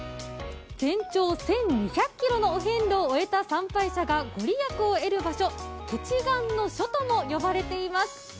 全長１２００ｋｍのお遍路を終えた参拝者が御利益を得る場所、結願の所とも言われています。